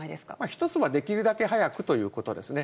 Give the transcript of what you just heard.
１つは、できるだけ早くということですね。